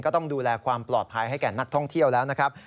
ก็ต้องดูแลความปลอดภัยให้แก่นักท่องเที่ยวแล้วนะครับ